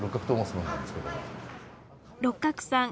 六角さん